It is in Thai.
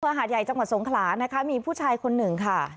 หาดใหญ่จังหวัดสงขลานะคะมีผู้ชายคนหนึ่งค่ะ